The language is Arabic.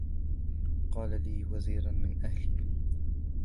وَاجْعَلْ لِي وَزِيرًا مِنْ أَهْلِي